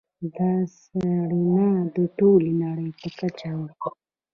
دا څېړنه د ټولې نړۍ په کچه وه.